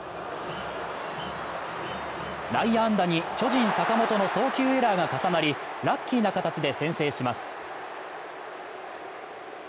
内野安打に巨人・坂本の送球エラーが重なり、ラッキーな形で先制します。